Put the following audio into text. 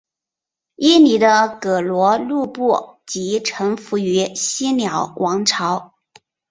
伊犁的葛逻禄部即臣服于西辽王朝。